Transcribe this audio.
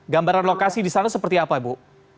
gambaran lokasi di sana seperti apa ibu